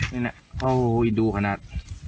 นี่แหละโอ้ยดูขนาด